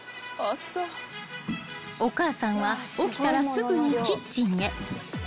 ［お母さんは起きたらすぐにキッチンへ］